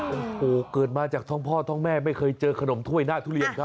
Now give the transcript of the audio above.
โอ้โหเกิดมาจากท้องพ่อท้องแม่ไม่เคยเจอขนมถ้วยหน้าทุเรียนครับ